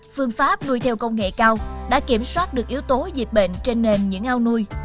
phương pháp nuôi theo công nghệ cao đã kiểm soát được yếu tố dịch bệnh trên nền những ao nuôi